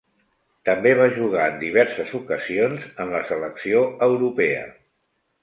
També va jugar en diverses ocasions en la selecció Europea.